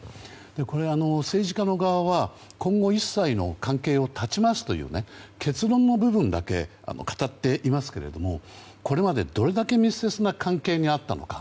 これ、政治家の側は今後一切の関係を断ちますという結論の部分だけ語っていますけどこれまで、どれだけ密接な関係にあったのか。